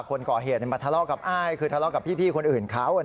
คนก่อเหตุมาทะเลาะกับอ้ายคือทะเลาะกับพี่คนอื่นเขา